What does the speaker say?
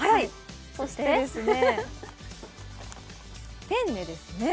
そしてペンネですね。